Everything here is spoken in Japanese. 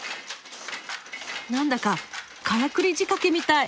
なんだかからくり仕掛けみたい。